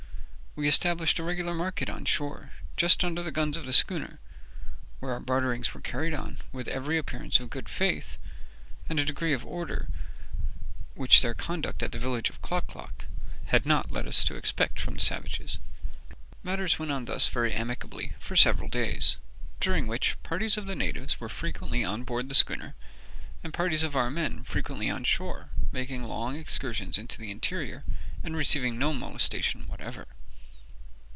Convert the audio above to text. We established a regular market on shore, just under the guns of the schooner, where our barterings were carried on with every appearance of good faith, and a degree of order which their conduct at the village of Klock klock had not led us to expect from the savages. Matters went on thus very amicably for several days, during which parties of the natives were frequently on board the schooner, and parties of our men frequently on shore, making long excursions into the interior, and receiving no molestation whatever.